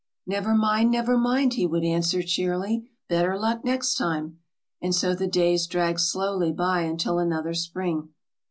"Never mind never mind," he would answer, cheerily: "better luck next time." And so the days dragged slowly by until another spring.